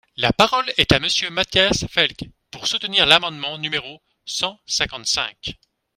La parole est à Monsieur Matthias Fekl, pour soutenir l’amendement numéro cent cinquante-cinq.